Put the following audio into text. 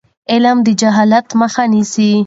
علم د جهالت مخه نیسي.